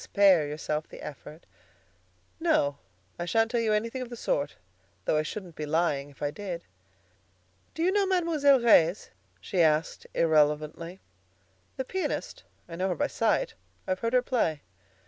Spare yourself the effort." "No; I shan't tell you anything of the sort, though I shouldn't be lying if I did." "Do you know Mademoiselle Reisz?" she asked irrelevantly. "The pianist? I know her by sight. I've heard her play."